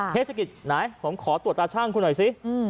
เทศกิจไหนผมขอตรวจตาช่างคุณหน่อยสิ